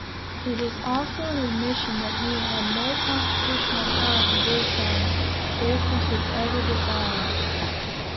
It is also an admission that he had no constitutional power to do so, if he should ever desire it.